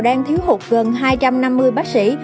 đang thiếu hụt gần hai trăm năm mươi bác sĩ